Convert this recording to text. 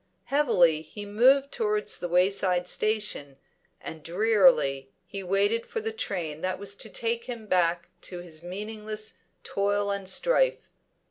Heavily he moved towards the wayside station, and drearily he waited for the train that was to take him back to his meaningless toil and strife.